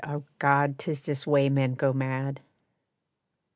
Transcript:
ah, God! 'tis this way men go mad!